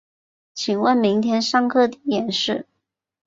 请问明天上课地点是